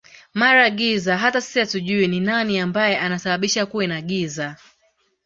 mara giza hata sisi hatujuwi ni nani ambaye ana sababisha kuwe na giza